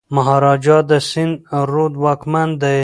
مهاراجا د سند رود واکمن دی.